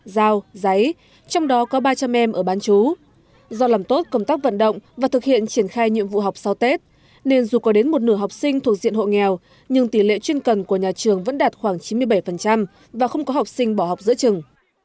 dao giấy trong đó có ba trăm linh em ở bán chú do làm tốt công tác vận động và thực hiện triển khai nhiệm vụ học sau tết nên dù có đến một nửa học sinh thuộc diện hộ nghèo nhưng tỷ lệ chuyên cần của nhà trường vẫn đạt khoảng chín mươi bảy và không có học sinh bỏ học giữa trường